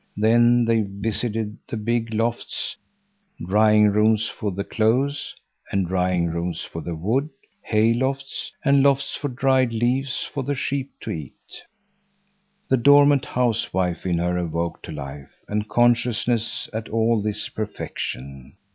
Then they visited the big lofts; drying rooms for the clothes and drying rooms for the wood; hay lofts, and lofts for dried leaves for the sheep to eat. The dormant housewife in her awoke to life and consciousness at all this perfection.